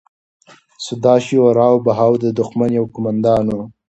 سداشیو راو بهاو د دښمن یو قوماندان و.